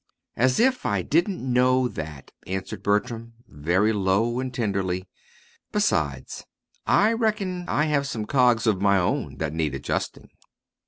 "As if I didn't know that," answered Bertram, very low and tenderly. "Besides, I reckon I have some cogs of my own that need adjusting!"